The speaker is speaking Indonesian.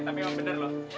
eh tapi emang bener loh